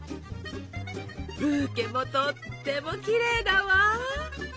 ブーケもとってもきれいだわ！